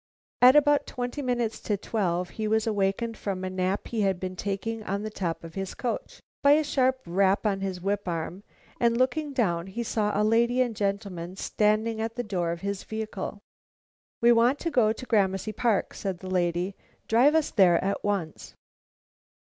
At about twenty minutes to twelve, he was awakened from a nap he had been taking on the top of his coach, by a sharp rap on his whip arm, and looking down, he saw a lady and gentleman standing at the door of his vehicle. "We want to go to Gramercy Park," said the lady. "Drive us there at once."